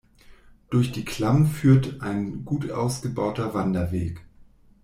Durch die Klamm führt ein gut ausgebauter Wanderweg.